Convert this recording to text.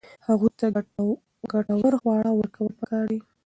هغوی ته ګټور خواړه ورکول پکار دي.